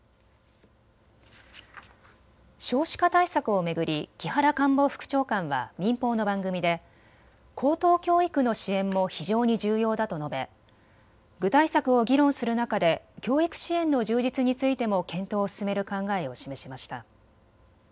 少子化対策を巡り木原官房副長官は民放の番組で高等教育の支援も非常に重要だと述べ具体策を議論する中で教育支援の充実についても検討を進める考えを示しました。